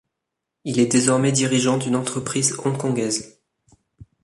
Il est désormais dirigeant d'une entreprise hong-kongaise.